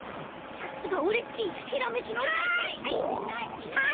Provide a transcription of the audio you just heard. さっすがオレっちひらめきのだいてんさい。